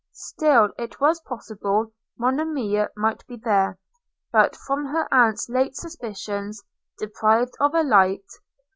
Still it was possible Monimia might be there, but, from her aunt's late suspicions, deprived of a light.